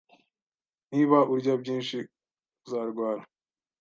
Niba urya byinshi, uzarwara.